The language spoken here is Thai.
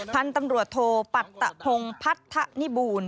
พันธุ์ตำรวจโทปัตภงพัทธนิบูล